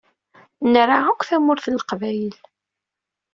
Nra akk Tamurt n Leqbayel.